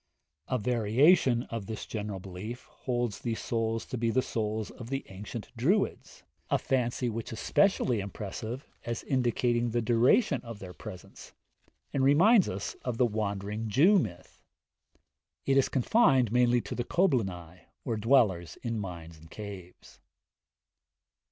A variation of this general belief holds these souls to be the souls of the ancient Druids, a fancy which is specially impressive, as indicating the duration of their penance, and reminds us of the Wandering Jew myth. It is confined mainly to the Coblynau, or dwellers in mines and caves.